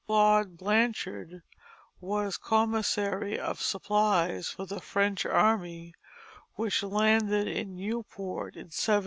Claude Blanchard was commissary of supplies for the French army which landed in Newport in 1780.